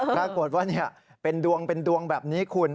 ปรากฏว่าเป็นดวงแบบนี้คุณ